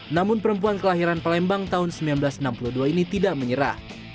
namun perempuan kelahiran palembang tahun seribu sembilan ratus enam puluh dua ini tidak menyerah